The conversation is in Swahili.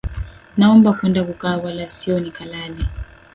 Naomba kwenda kukaa, wala sio nikalale,